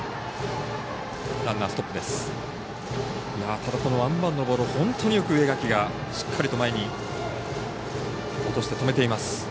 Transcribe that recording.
ただ、ワンバウンドのボール植垣がしっかりと前に落として止めています。